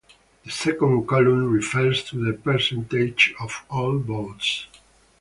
The second column refers to the percentage of all votes.